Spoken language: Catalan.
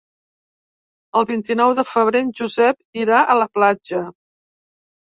El vint-i-nou de febrer en Josep irà a la platja.